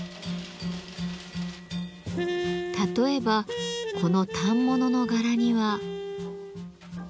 例えばこの反物の柄には。